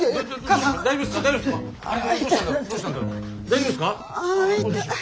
大丈夫ですか？